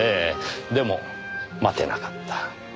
でも待てなかった。